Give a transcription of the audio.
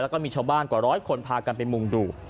แล้วก็มีชาวบ้านกว่าร้อยคนพากันไปมุ่งดู